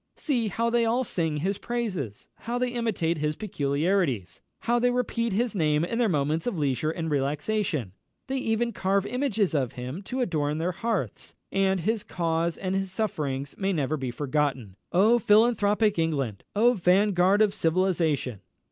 See how they all sing his praises! how they imitate his peculiarities! how they repeat his name in their moments of leisure and relaxation! They even carve images of him to adorn their hearths, that his cause and his sufferings may never be forgotten! Oh, philanthropic England! oh, vanguard of civilisation!"